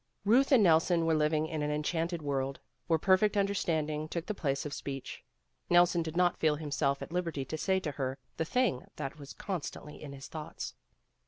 Ruth and Nelson were living in an enchanted world, where perfect understanding took the place of speech. Nelson did not feel himself at liberty to say to her the thing that was con stantly in his thoughts.